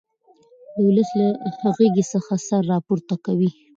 د ولس له غېږې څخه سر را پورته کوي.